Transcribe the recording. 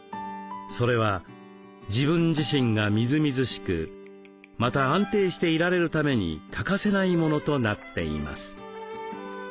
それは自分自身がみずみずしくまた安定していられるために欠かせないものとなっています。